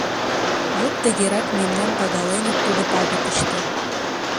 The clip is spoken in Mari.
Вот тыгерак мемнам пагаленыт тудо пагытыште.